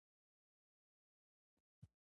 مفتي لائق احمد د غزني د اندړو ولسوالۍ سره تعلق لري